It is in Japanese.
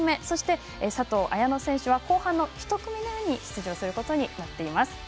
そして、佐藤綾乃選手は後半の１組目に出場することになっています。